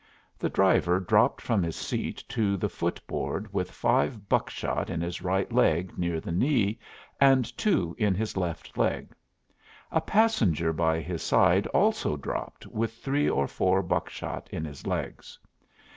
The driver dropped from his seat to the foot board with five buckshot in his right leg near the knee, and two in his left leg; a passenger by his side also dropped with three or four buckshot in his legs.